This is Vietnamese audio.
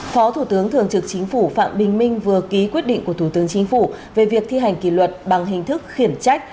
phó thủ tướng thường trực chính phủ phạm bình minh vừa ký quyết định của thủ tướng chính phủ về việc thi hành kỷ luật bằng hình thức khiển trách